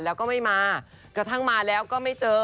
แล้วก็ไม่มากระทั่งมาแล้วก็ไม่เจอ